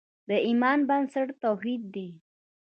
د ایمان بنسټ توحید دی.